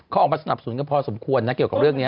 เขาออกมาสนับสนุนกันพอสมควรนะเกี่ยวกับเรื่องนี้